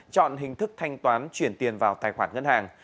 chọn hình thức thanh toán chuyển tiền vào tài khoản ngân hàng